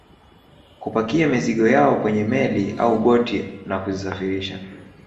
Kupakia mizigo yao kwenye meli au boti na kuzisafirisha